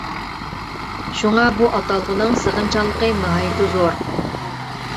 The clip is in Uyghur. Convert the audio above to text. شۇڭا بۇ ئاتالغۇنىڭ سىغىمچانلىقى ناھايىتى زور.